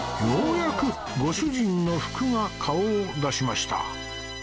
ようやくご主人の服が顔を出しました